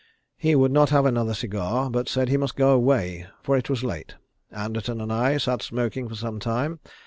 He would not have another cigar, but said he must go away, for it was late. Anderton and I sat smoking for some time.